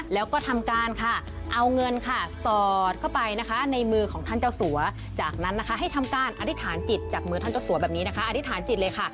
แล้วก็ทำการค่ะเอาเงินค่ะสอดเข้าไปนะคะในมือของท่านเจ้าสัวจากนั้นนะคะให้ทำการอธิษฐานจิตจากมือท่านเจ้าสัวแบบนี้นะคะอธิษฐานจิตเลยค่ะ